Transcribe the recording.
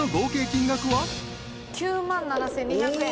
９万７，５００円。